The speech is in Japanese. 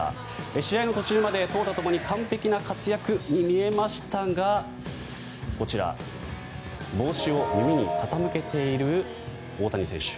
試合の途中まで投打ともに完璧な活躍に見えましたが帽子を耳に傾けている大谷選手。